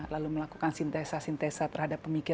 lalu melakukan sintesa sintesa terhadap pemikiran berbagai hal